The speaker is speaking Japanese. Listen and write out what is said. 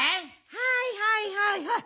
はいはいはいはい。